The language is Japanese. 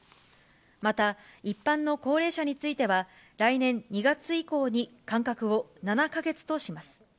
また、一般の高齢者については、来年２月以降に間隔を７か月とします。